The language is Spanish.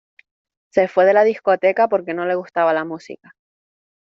Se fue de la discoteca porque no le gustaba la música.